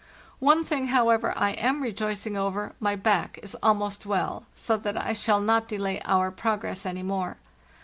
"One thing, however, I am rejoicing over; my back is almost well, so that I shall not delay our progress any more.